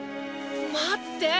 待って！